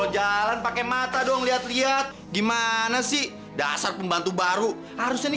jalan pakai mata dong lihat lihat gimana sih dasar pembantu baru harusnya nih